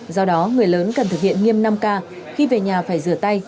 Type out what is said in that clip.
do đó người lớn cần thực hiện nghiêm năm k khi về nhà phải rửa tay